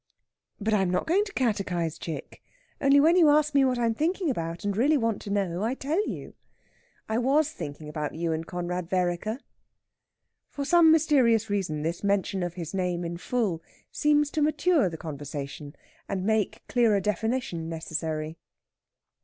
'" "But I'm not going to catechize, chick. Only when you ask me what I'm thinking about, and really want to know, I tell you. I was thinking about you and Conrad Vereker." For some mysterious reason this mention of his name in full seems to mature the conversation, and make clearer definition necessary.